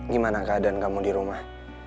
gimana keadaan kamu di rumah